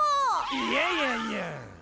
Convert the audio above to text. いやいやいや。